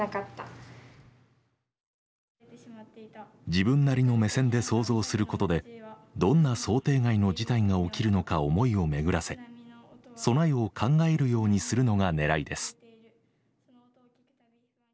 自分なりの目線で想像することでどんな想定外の事態が起きるのか思いを巡らせ備えを考えるようにするのがねらいです。